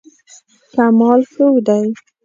کمال ښودی.